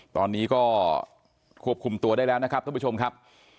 ตอนนี้ก็ควบคุมตัวได้แล้วนะครับท่านผู้ชมครับ